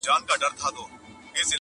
خدای به یې کله عرضونه واوري -